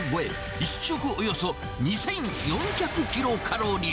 １食およそ２４００キロカロリー。